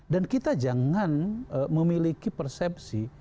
dan kita jangan memiliki persepsi